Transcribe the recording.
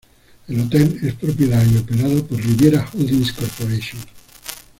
El hotel es propiedad y operado por Riviera Holdings Corporation.